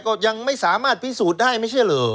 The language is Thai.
ก็ยังไม่สามารถพิสูจน์ได้ไม่ใช่เหรอ